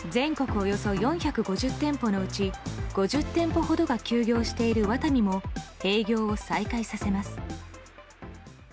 およそ４５０店舗のうち５０店舗ほどが休業しているワタミも営業を再開させます。